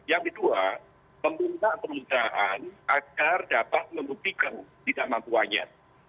yang kedua meminta perusahaan agar dapat membuktikan tidak mampuannya